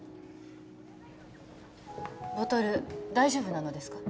ボトル大丈夫なのですか？